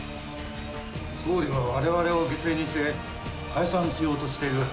総理はわれわれを犠牲にして、解散しようとしている。